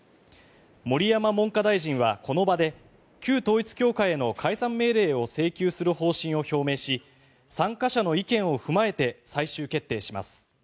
盛山文科大臣は、この場で旧統一教会への解散命令を請求する方針を表明し参加者の意見を踏まえて最終決定します。